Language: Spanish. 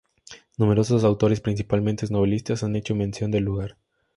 Numerosos autores, principalmente novelistas, han hecho mención del lugar.